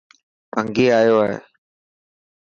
ڀنگي آيو هي.